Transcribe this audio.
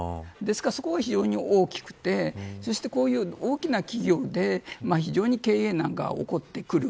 そこが非常に大きくてそして、こういう大きな企業で非常に経営難が起こってくる。